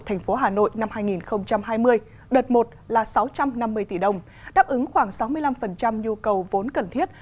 thành phố hà nội năm hai nghìn hai mươi đợt một là sáu trăm năm mươi tỷ đồng đáp ứng khoảng sáu mươi năm nhu cầu vốn cần thiết